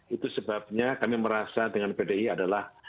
itu sebabnya kami merasa dengan pdi adalah